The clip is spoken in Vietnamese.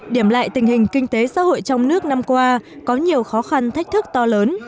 điểm lại tình hình kinh tế xã hội trong nước năm qua có nhiều khó khăn thách thức to lớn